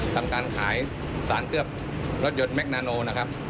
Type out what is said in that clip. ทำการขายสารเคลือบรถยนต์แมคนาโนนะครับ